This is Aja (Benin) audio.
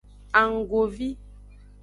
Annggovi.